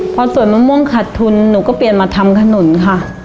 พอสวนมะม่วงขาดทุนหนูก็เปลี่ยนมาทำขนุนค่ะ